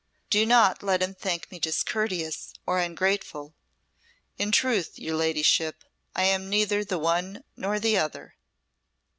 "Do not let him think me discourteous or ungrateful. In truth, your ladyship, I am neither the one nor the other."